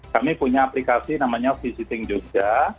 kami punya aplikasi namanya visiting jogja